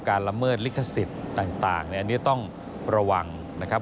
ละเมิดลิขสิทธิ์ต่างอันนี้ต้องระวังนะครับ